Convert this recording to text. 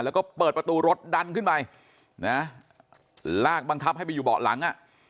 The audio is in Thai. แล้วก็เปิดประตูรถดันขึ้นไปนะลากบังคับให้ไปอยู่เบาะหลังอ่ะ